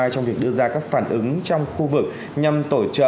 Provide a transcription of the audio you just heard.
trong việc đưa ra các phản ứng trong khu vực nhằm tổ trợ